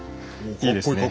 いいですね。